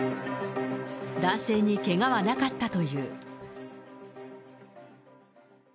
男性にけがはなかったという。